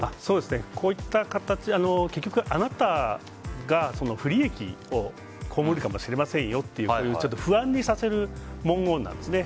こういった形結局あなたが不利益を被るかもしれませんよという不安にさせる文言なんですね。